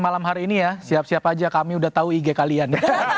malam hari ini ya siap siap aja kami udah tahu ig kalian